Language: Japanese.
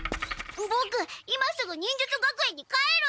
ボク今すぐ忍術学園に帰る！